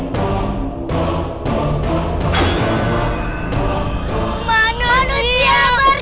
manusia berkembang lepasan kabur